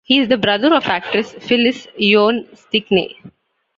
He is the brother of actress Phyllis Yvonne Stickney.